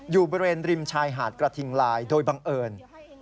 อยู่บริเวณริมชายหาดกระทิงลายโดยบังเอิญ